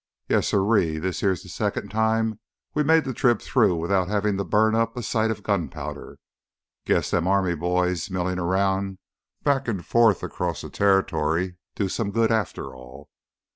"Yes, siree, this here's th' second time we made th' trip through without havin' to burn up a sight of gunpowder! Guess them army boys millin' around back an' forth across th' territory do some good, after all.